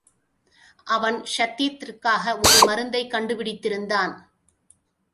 அவன் க்ஷயத்திற்காக ஒரு மருந்தைக்கண்டு பிடித்திருந்தான்.